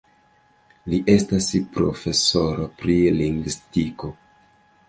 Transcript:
Li estas profesoro pri lingvistiko.